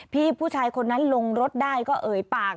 พี่ผู้ชายคนนั้นลงรถได้ก็เอ่ยปาก